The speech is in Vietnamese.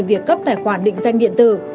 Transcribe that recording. việc cấp tài khoản định danh điện tử